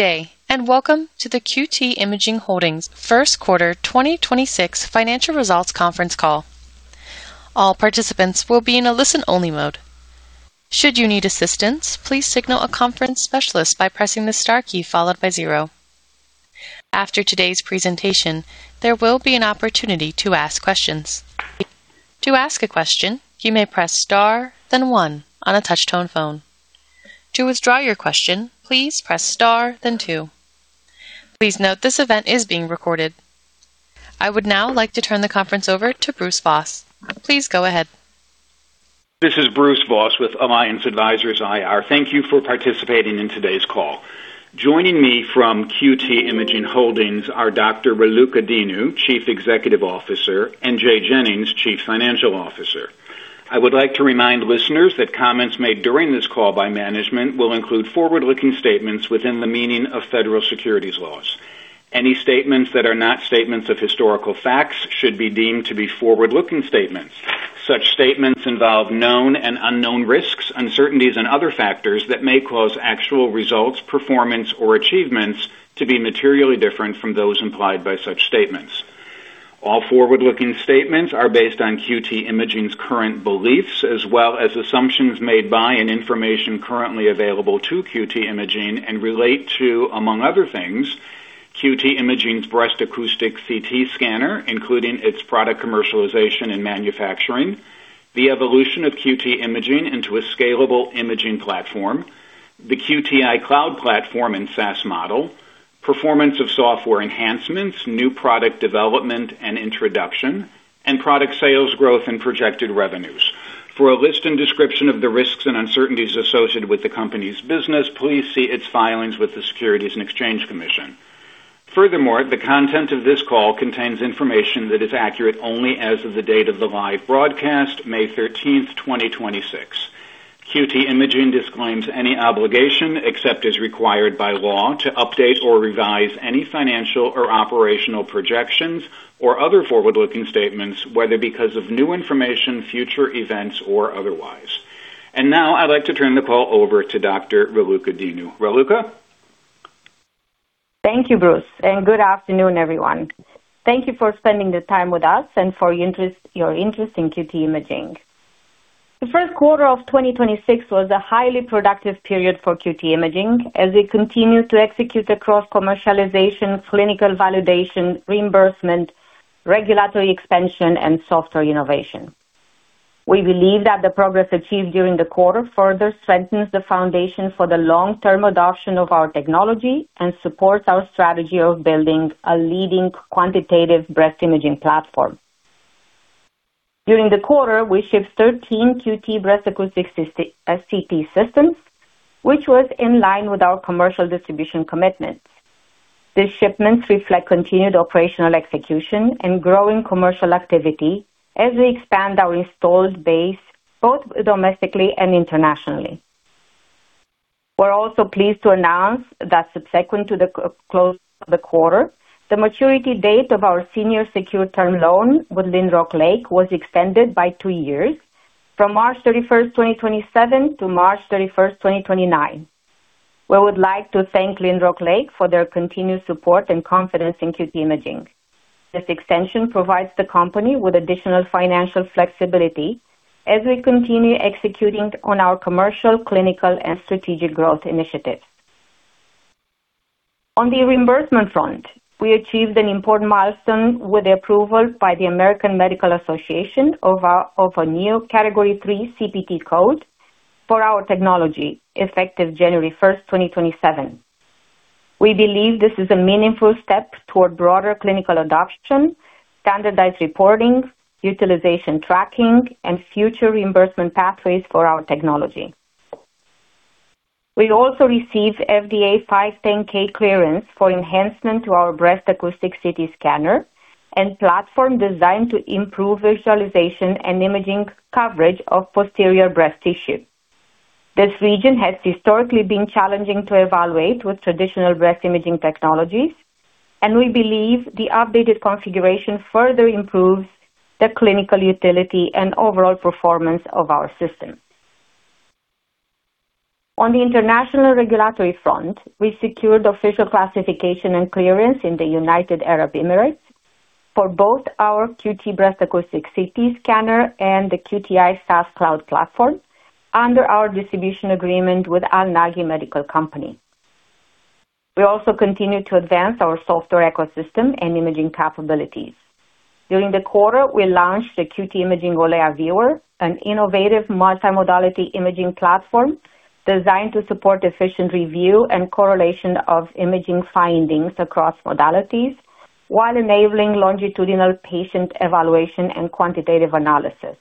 Good day, and welcome to the QT Imaging Holdings First Quarter 2026 Financial Results Conference Call. I would now like to turn the conference over to Bruce Voss. Please go ahead. This is Bruce Voss with Alliance Advisors IR. Thank you for participating in today's call. Joining me from QT Imaging Holdings are Dr. Raluca Dinu, Chief Executive Officer, and Jay Jennings, Chief Financial Officer. I would like to remind listeners that comments made during this call by management will include forward-looking statements within the meaning of federal securities laws. Any statements that are not statements of historical facts should be deemed to be forward-looking statements. Such statements involve known and unknown risks, uncertainties, and other factors that may cause actual results, performance, or achievements to be materially different from those implied by such statements. All forward-looking statements are based on QT Imaging's current beliefs as well as assumptions made by and information currently available to QT Imaging and relate to, among other things, QT Imaging's Breast Acoustic CT, including its product commercialization and manufacturing, the evolution of QT Imaging into a scalable imaging platform, the QTI Cloud Platform and SaaS model, performance of software enhancements, new product development and introduction, and product sales growth and projected revenues. For a list and description of the risks and uncertainties associated with the company's business, please see its filings with the Securities and Exchange Commission. Furthermore, the content of this call contains information that is accurate only as of the date of the live broadcast, May 13th, 2026. QT Imaging disclaims any obligation, except as required by law, to update or revise any financial or operational projections or other forward-looking statements, whether because of new information, future events, or otherwise. Now I'd like to turn the call over to Dr. Raluca Dinu. Raluca. Thank you, Bruce. Good afternoon, everyone. Thank you for spending the time with us and for your interest in QT Imaging. The first quarter of 2026 was a highly productive period for QT Imaging as we continued to execute across commercialization, clinical validation, reimbursement, regulatory expansion, and software innovation. We believe that the progress achieved during the quarter further strengthens the foundation for the long-term adoption of our technology and supports our strategy of building a leading quantitative breast imaging platform. During the quarter, we shipped 13 QT Breast Acoustic CT systems, which was in line with our commercial distribution commitments. These shipments reflect continued operational execution and growing commercial activity as we expand our installed base both domestically and internationally. We're also pleased to announce that subsequent to the close of the quarter, the maturity date of our senior secured term loan with Lynrock Lake was extended by two years from March 31st, 2027 to March 31st, 2029. We would like to thank Lynrock Lake for their continued support and confidence in QT Imaging. This extension provides the company with additional financial flexibility as we continue executing on our commercial, clinical, and strategic growth initiatives. On the reimbursement front, we achieved an important milestone with the approval by the American Medical Association of a new Category III CPT code for our technology effective January 1st, 2027. We believe this is a meaningful step toward broader clinical adoption, standardized reporting, utilization tracking, and future reimbursement pathways for our technology. We also received FDA 510K clearance for enhancement to our QT Breast Acoustic CT scanner and platform designed to improve visualization and imaging coverage of posterior breast tissue. This region has historically been challenging to evaluate with traditional breast imaging technologies, and we believe the updated configuration further improves the clinical utility and overall performance of our system. On the international regulatory front, we secured official classification and clearance in the United Arab Emirates for both our QT Breast Acoustic CT scanner and the QTI SaaS Cloud platform under our distribution agreement with Al Naghi Medical Company. We also continued to advance our software ecosystem and imaging capabilities. During the quarter, we launched the QT Imaging-Olea Viewer, an innovative multimodality imaging platform designed to support efficient review and correlation of imaging findings across modalities while enabling longitudinal patient evaluation and quantitative analysis.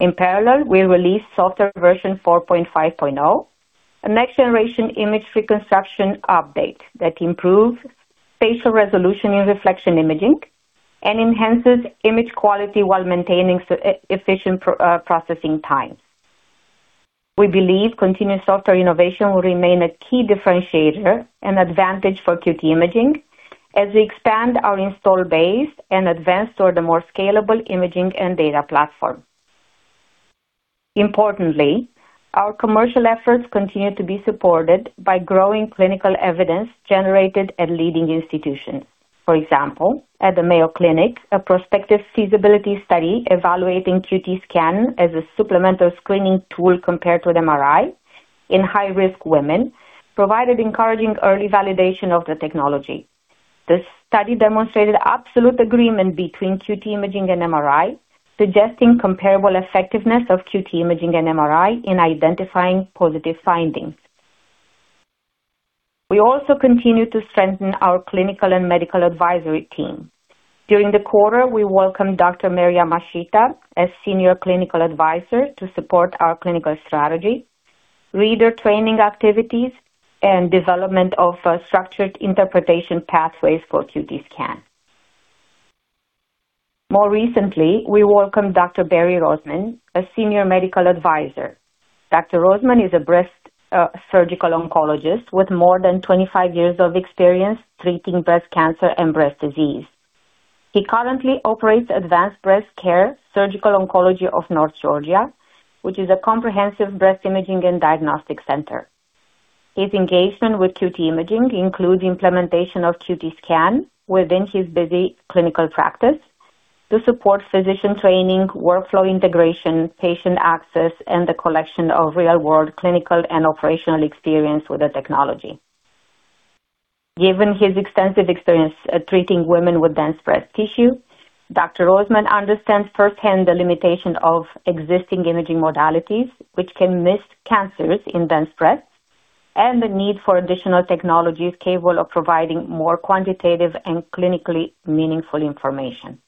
In parallel, we released software version 4.5.0, a next-generation image reconstruction update that improves spatial resolution in reflection imaging and enhances image quality while maintaining efficient processing time. We believe continuous software innovation will remain a key differentiator and advantage for QT Imaging as we expand our install base and advance toward a more scalable imaging and data platform. Importantly, our commercial efforts continue to be supported by growing clinical evidence generated at leading institutions. For example, at the Mayo Clinic, a prospective feasibility study evaluating QTscan as a supplemental screening tool compared to an MRI in high-risk women provided encouraging early validation of the technology. The study demonstrated absolute agreement between QT Imaging and MRI, suggesting comparable effectiveness of QT Imaging and MRI in identifying positive findings. We also continue to strengthen our clinical and medical advisory team. During the quarter, we welcomed Dr. Mary Yamashita as Senior Clinical Advisor to support our clinical strategy, reader training activities, and development of structured interpretation pathways for QTscan. More recently, we welcomed Dr. Barry Roseman, a senior medical advisor. Dr. Roseman is a breast surgical oncologist with more than 25 years of experience treating breast cancer and breast disease. He currently operates Advanced Breast Care Surgical Oncology of North Georgia, which is a comprehensive breast imaging and diagnostic center. His engagement with QT Imaging includes implementation of QTscan within his busy clinical practice to support physician training, workflow integration, patient access, and the collection of real-world clinical and operational experience with the technology. Given his extensive experience at treating women with dense breast tissue, Dr. Roseman understands firsthand the limitations of existing imaging modalities, which can miss cancers in dense breasts, and the need for additional technologies capable of providing more quantitative and clinically meaningful information.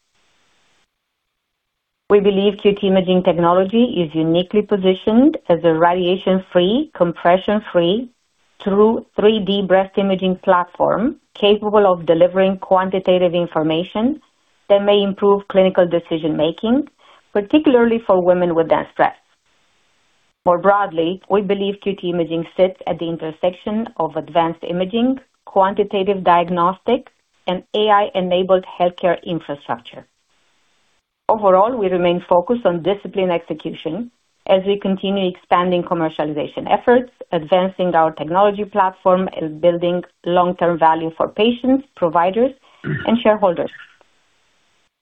We believe QT Imaging technology is uniquely positioned as a radiation-free, compression-free through 3D breast imaging platform capable of delivering quantitative information that may improve clinical decision-making, particularly for women with dense breasts. More broadly, we believe QT Imaging sits at the intersection of advanced imaging, quantitative diagnostics, and AI-enabled healthcare infrastructure. Overall, we remain focused on discipline execution as we continue expanding commercialization efforts, advancing our technology platform, and building long-term value for patients, providers, and shareholders.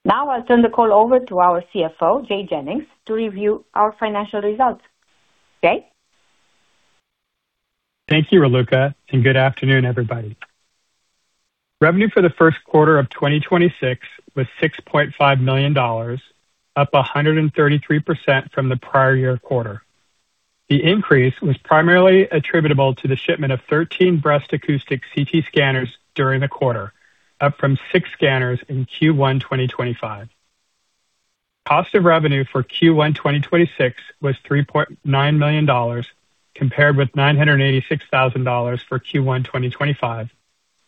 Now I'll turn the call over to our CFO, Jay Jennings, to review our financial results. Jay? Thank you, Raluca, good afternoon, everybody. Revenue for the first quarter of 2026 was $6.5 million, up 133% from the prior year quarter. The increase was primarily attributable to the shipment of 13 Breast Acoustic CT scanners during the quarter, up from six scanners in Q1 2025. Cost of revenue for Q1 2026 was $3.9 million, compared with $986,000 for Q1 2025,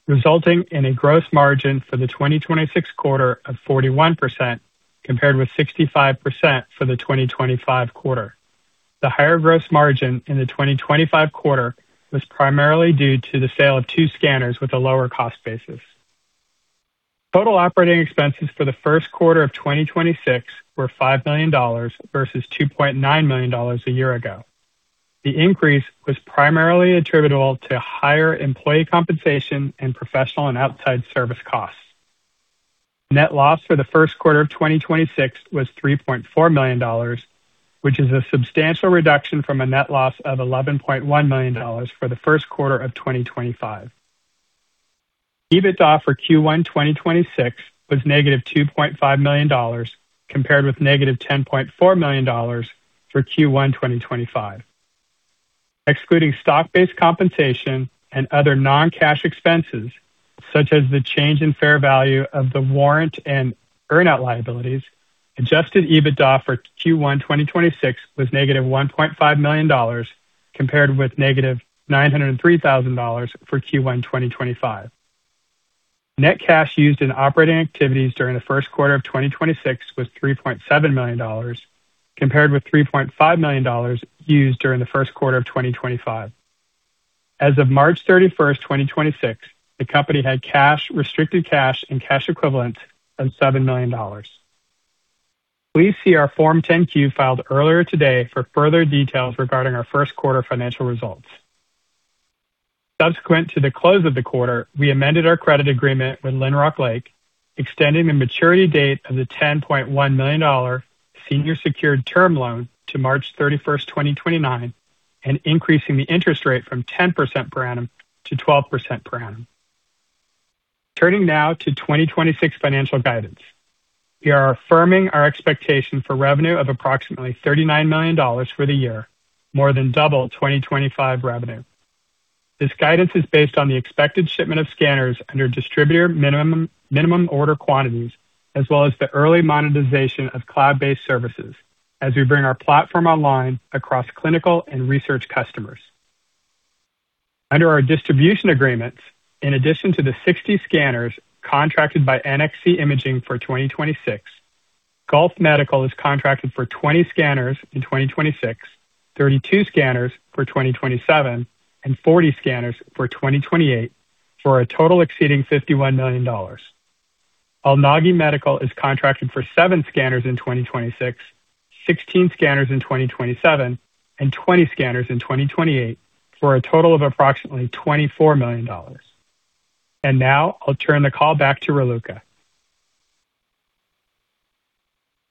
resulting in a gross margin for the 2026 quarter of 41%, compared with 65% for the 2025 quarter. The higher gross margin in the 2025 quarter was primarily due to the sale of two scanners with a lower cost basis. Total operating expenses for the first quarter of 2026 were $5 million versus $2.9 million a year ago. The increase was primarily attributable to higher employee compensation and professional and outside service costs. Net loss for the first quarter of 2026 was $3.4 million, which is a substantial reduction from a net loss of $11.1 million for the first quarter of 2025. EBITDA for Q1 2026 was negative $2.5 million, compared with negative $10.4 million for Q1 2025. Excluding stock-based compensation and other non-cash expenses, such as the change in fair value of the warrant and earn-out liabilities, Adjusted EBITDA for Q1 2026 was negative $1.5 million, compared with negative $903,000 for Q1 2025. Net cash used in operating activities during the first quarter of 2026 was $3.7 million, compared with $3.5 million used during the first quarter of 2025. As of March 31st, 2026, the company had cash, restricted cash, and cash equivalents of $7 million. Please see our Form 10-Q filed earlier today for further details regarding our first quarter financial results. Subsequent to the close of the quarter, we amended our credit agreement with Lynrock Lake, extending the maturity date of the $10.1 million senior secured term loan to March 31st, 2029, and increasing the interest rate from 10% per annum to 12% per annum. Turning now to 2026 financial guidance. We are affirming our expectation for revenue of approximately $39 million for the year, more than double 2025 revenue. This guidance is based on the expected shipment of scanners under distributor minimum order quantities, as well as the early monetization of cloud-based services as we bring our platform online across clinical and research customers. Under our distribution agreements, in addition to the 60 scanners contracted by NXC Imaging for 2026, Gulf Medical is contracted for 20 scanners in 2026, 32 scanners for 2027, and 40 scanners for 2028, for a total exceeding $51 million. Al Naghi Medical is contracted for seven scanners in 2026, 16 scanners in 2027, and 20 scanners in 2028, for a total of approximately $24 million. Now I'll turn the call back to Raluca.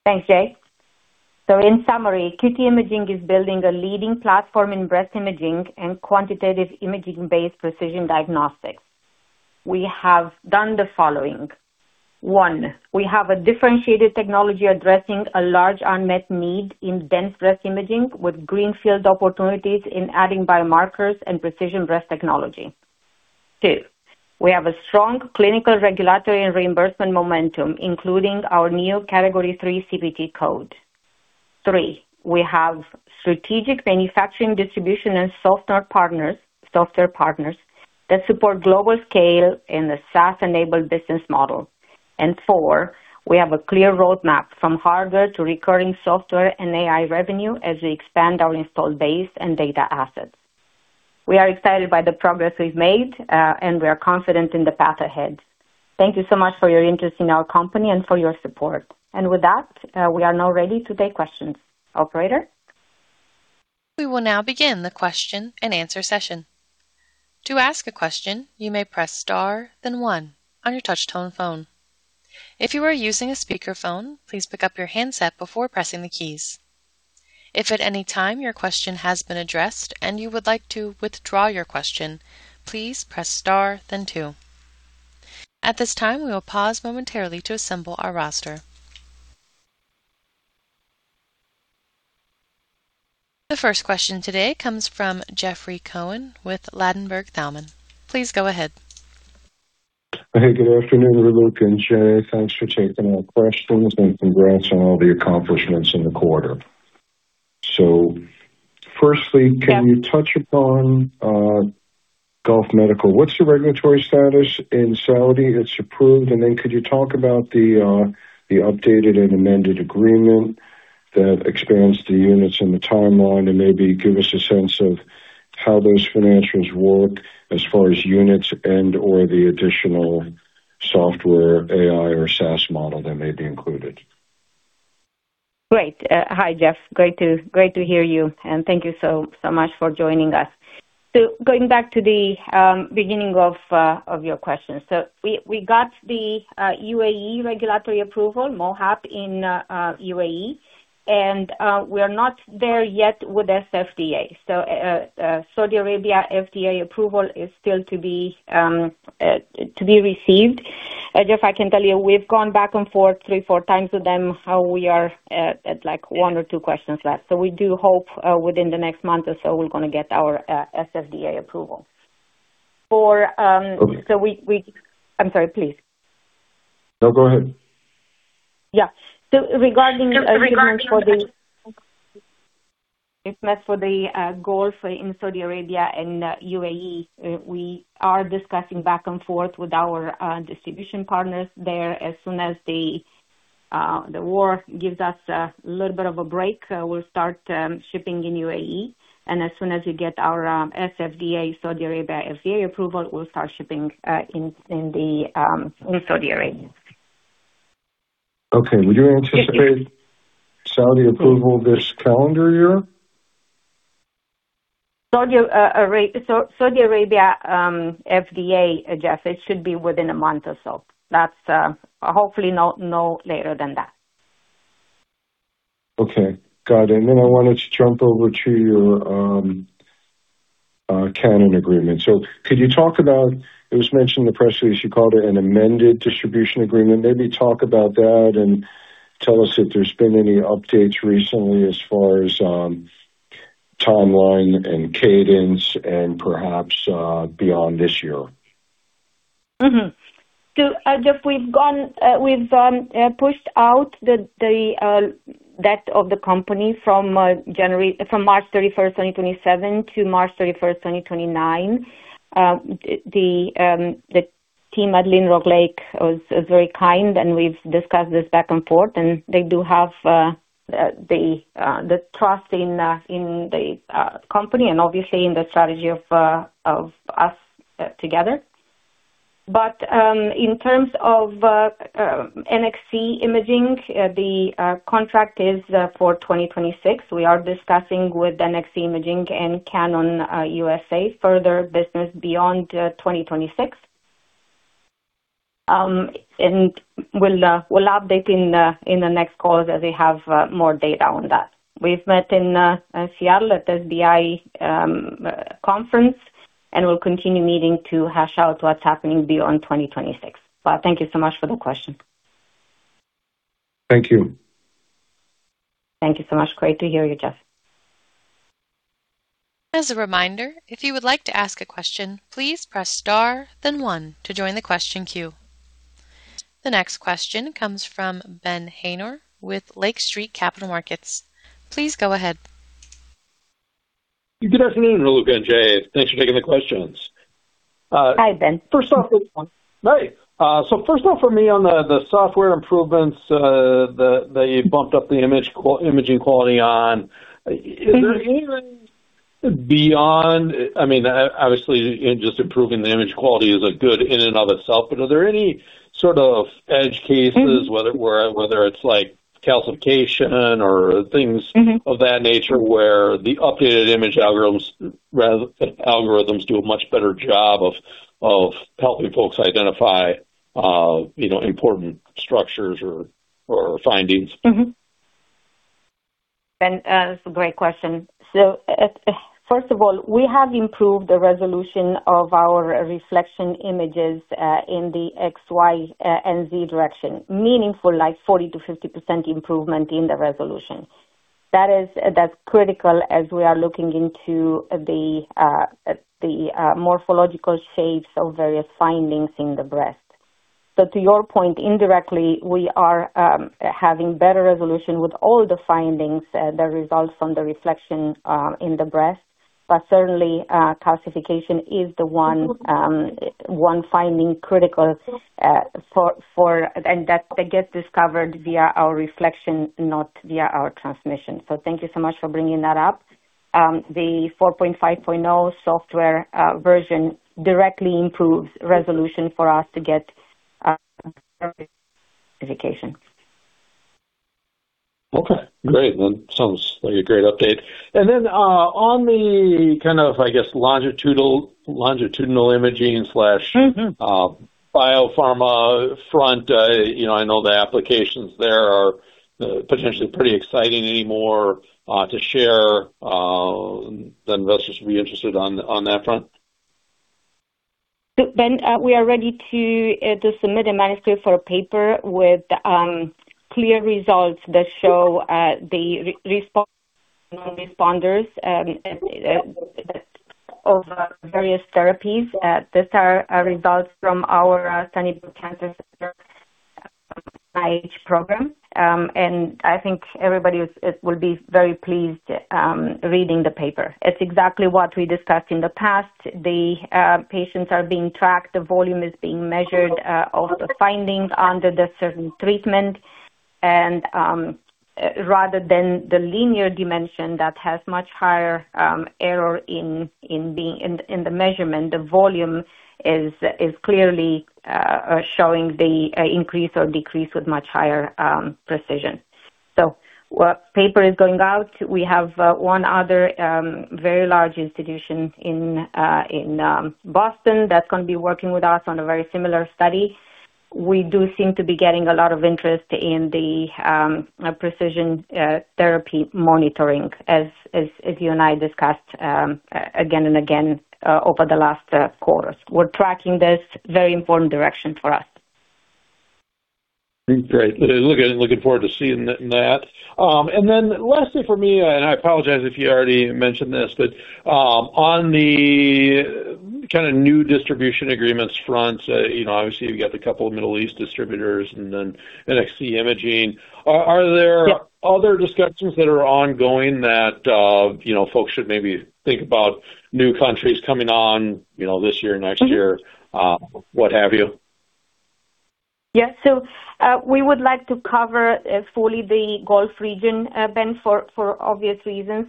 Thanks, Jay. In summary, QT Imaging is building a leading platform in breast imaging and quantitative imaging-based precision diagnostics. We have done the following. One, we have a differentiated technology addressing a large unmet need in dense breast imaging, with greenfield opportunities in adding biomarkers and precision breast technology. Two, we have a strong clinical, regulatory and reimbursement momentum, including our new Category III CPT code. Three, we have strategic manufacturing, distribution and software partners that support global scale in the SaaS-enabled business model. Four, we have a clear roadmap from hardware to recurring software and AI revenue as we expand our installed base and data assets. We are excited by the progress we've made, and we are confident in the path ahead. Thank you so much for your interest in our company and for your support. We will now begin the question and answer session. To ask a question, you may press star then one on your touchtone phone. If you are using a speakerphone, please pick up your handset before pressing the keys. If at any time your question has been addressed and you would like to withdraw your question, please press star then two. At this time, we will pause momentarily to assemble our roster. With that, we are now ready to take questions. Operator? The first question today comes from Jeffrey Cohen with Ladenburg Thalmann. Please go ahead. Hey, good afternoon, Raluca and Jay. Thanks for taking our questions and congrats on all the accomplishments in the quarter. Firstly, can you touch upon Gulf Medical? What's the regulatory status in Saudi? It's approved. Could you talk about the updated and amended agreement that expands the units and the timeline, and maybe give us a sense of how those financials work as far as units and/or the additional software, AI or SaaS model that may be included? Great. Hi, Jeff. Great to hear you, and thank you so much for joining us. Going back to the beginning of your question. We got the UAE regulatory approval, MOHAP in UAE, and we are not there yet with SFDA. Saudi Arabia FDA approval is still to be received. Jeff, I can tell you we've gone back and forth three, four times with them, how we are at like one or two questions left. We do hope, within the next month or so we're gonna get our SFDA approval. For, I'm sorry, please. No, go ahead. Yeah. regarding agreements for Agreements for the Gulf in Saudi Arabia and UAE, we are discussing back and forth with our distribution partners there. As soon as the war gives us a little bit of a break, we'll start shipping in UAE. As soon as we get our SFDA, Saudi Arabia FDA approval, we'll start shipping in Saudi Arabia. Okay. Would you anticipate Saudi approval this calendar year? Saudi Arabia, FDA, Jeff, it should be within a month or so. That's, hopefully no later than that. Okay, got it. I wanted to jump over to your Canon agreement. Could you talk about, it was mentioned in the press release, you called it an amended distribution agreement? Maybe talk about that and tell us if there's been any updates recently as far as timeline and cadence and perhaps beyond this year? Jeff, we've pushed out the debt of the company from January, from March 31st, 2027 to March 31st, 2029. The team at Lynrock Lake was very kind, and we've discussed this back and forth, and they do have the trust in the company and obviously in the strategy of us together. In terms of NXC Imaging, the contract is for 2026. We are discussing with NXC Imaging and Canon U.S.A. further business beyond 2026. We'll update in the next call as we have more data on that. We've met in Seattle at SBI conference, we'll continue meeting to hash out what's happening beyond 2026. Thank you so much for the question. Thank you. Thank you so much. Great to hear you, Jeff. As a reminder, if you would like to ask a question, please press star then one to join the question queue. The next question comes from Ben Haynor with Lake Street Capital Markets. Please go ahead. Good afternoon, Raluca and Jay. Thanks for taking the questions. Hi, Ben. First off- How's it going? Great. First off for me on the software improvements, that you bumped up the imaging quality on, is there any range? Beyond, I mean, obviously in just improving the image quality is a good in and of itself, but are there any sort of edge cases whether it's like calcification or things? -of that nature where the updated image algorithms do a much better job of helping folks identify, you know, important structures or findings? Ben, that's a great question. First of all, we have improved the resolution of our reflection images in the X, Y, and Z direction. Meaningful like 40%-50% improvement in the resolution. That's critical as we are looking into the morphological shapes of various findings in the breast. To your point, indirectly, we are having better resolution with all the findings, the results from the reflection in the breast. Certainly, calcification is the one finding critical for. That gets discovered via our reflection, not via our transmission. Thank you so much for bringing that up. The 4.5.0 software version directly improves resolution for us to get calcification. Okay, great. That sounds like a great update. Then, on the kind of, I guess, longitudinal imaging slash. biopharma front, you know, I know the applications there are potentially pretty exciting. Anymore to share the investors would be interested on that front? Ben, we are ready to submit a manuscript for a paper with clear results that show the responders that over various therapies. Those are results from our Sunnybrook Cancer Center IIS program. I think everybody will be very pleased reading the paper. It's exactly what we discussed in the past. The patients are being tracked, the volume is being measured of the findings under the certain treatment. Rather than the linear dimension that has much higher error in the measurement, the volume is clearly showing the increase or decrease with much higher precision. What paper is going out, we have one other very large institution in Boston that's going to be working with us on a very similar study. We do seem to be getting a lot of interest in the precision therapy monitoring as you and I discussed again and again over the last quarters. We're tracking this very important direction for us. Great. Looking forward to seeing that. Lastly for me, and I apologize if you already mentioned this, but, on the kinda new distribution agreements front, you know, obviously you've got the couple of Middle East distributors and then NXC Imaging. Are there other discussions that are ongoing that, you know, folks should maybe think about new countries coming on, you know, this year, next year, what have you? We would like to cover fully the Gulf region, Ben, for obvious reasons.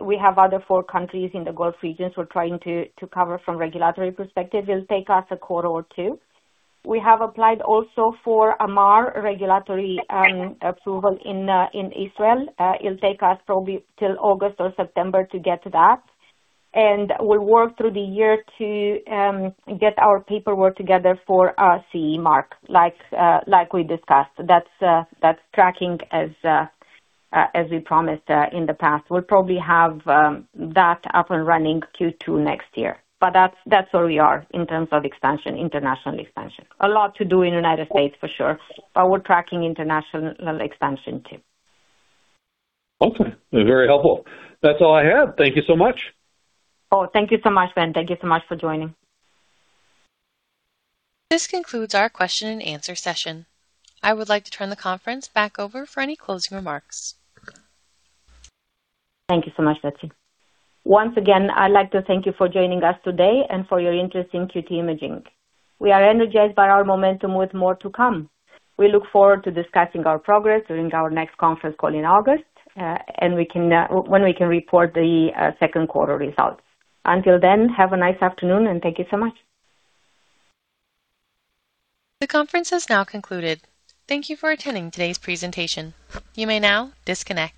We have other four countries in the Gulf region so we're trying to cover from regulatory perspective. It'll take us a quarter or two. We have applied also for AMAR regulatory approval in Israel. It'll take us probably till August or September to get to that. We'll work through the year to get our paperwork together for CE mark like we discussed. That's tracking as we promised in the past. We'll probably have that up and running Q2 next year. That's where we are in terms of expansion, international expansion. A lot to do in the United States for sure, but we're tracking international expansion too. Okay. Very helpful. That's all I have. Thank you so much. Oh, thank you so much, Ben. Thank you so much for joining. This concludes our question and answer session. I would like to turn the conference back over for any closing remarks. Thank you so much, Betsy. Once again, I'd like to thank you for joining us today and for your interest in QT Imaging. We are energized by our momentum with more to come. We look forward to discussing our progress during our next conference call in August, and we can, when we can report the second quarter results. Until then, have a nice afternoon, and thank you so much. The conference has now concluded. Thank you for attending today's presentation. You may now disconnect.